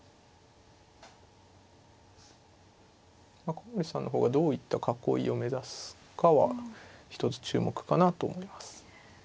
古森さんの方がどういった囲いを目指すかは一つ注目かなと思います。